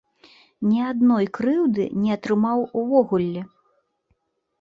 Ні адной крыўды не атрымаў увогуле!